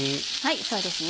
そうですね。